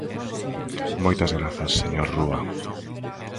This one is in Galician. Moitas grazas, señor Rúa.